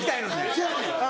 そやねん。